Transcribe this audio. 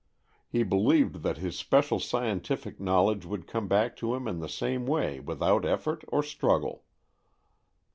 He believed that his special scientific knowledge would come back to him in the same way without effort or struggle.